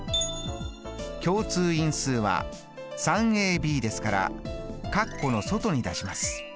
共通因数は３ｂですから括弧の外に出します。